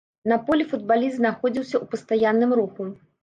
На полі футбаліст знаходзіўся ў пастаянным руху.